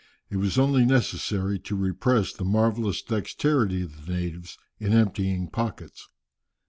It was only necessary to repress the marvellous dexterity of the natives in emptying pockets.